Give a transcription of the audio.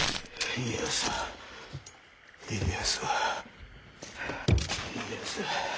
家康家康。